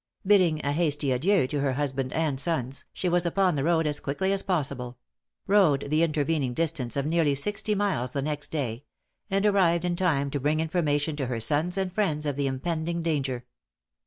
Bidding a hasty adieu to her husband and sons, she was upon the road as quickly as possible; rode the intervening distance of nearly sixty miles the next day, and arrived in time to bring information to her sons and friends of the impending danger.